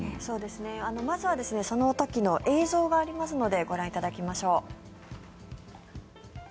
まずはその時の映像がありますのでご覧いただきましょう。